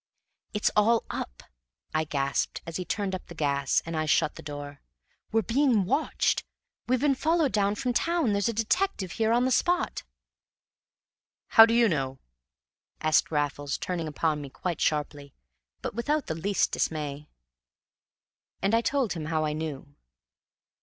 "It's all up!" I gasped, as he turned up the gas and I shut the door. "We're being watched. We've been followed down from town. There's a detective here on the spot!" "How do YOU know?" asked Raffles, turning upon me quite sharply, but without the least dismay. And I told him how I knew.